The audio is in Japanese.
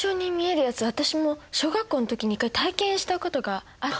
私も小学校の時に１回体験したことがあって。